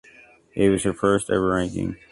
It was her first ever ranking.